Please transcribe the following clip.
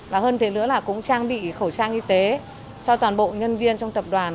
và hơn thế nữa là cũng trang bị khẩu trang y tế cho toàn bộ nhân viên trong tập đoàn